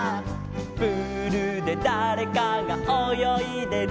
「プールでだれかがおよいでる」